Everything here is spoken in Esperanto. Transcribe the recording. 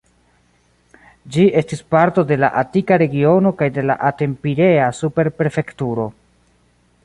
Ĝi estis parto de la Atika regiono kaj de la Aten-Pirea super-prefekturo.